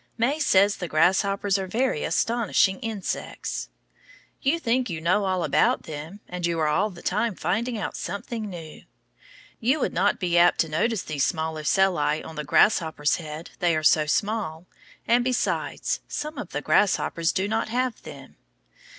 May says the grasshoppers are very astonishing insects. You think you know all about them, and you are all the time finding out something new. You would not be apt to notice these little ocelli on the grasshopper's head, they are so small, and besides, some of the grasshoppers do not have them.